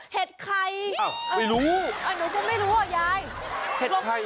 เห็ดใครอ้าวไม่รู้อ่ะหนูก็ไม่รู้อ่ะยายเห็ดใครอ่ะ